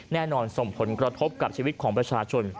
แน่นอนส่งผลกระทบกับชีวิตของประชาชน